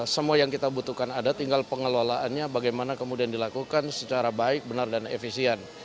semua yang kita butuhkan ada tinggal pengelolaannya bagaimana kemudian dilakukan secara baik benar dan efisien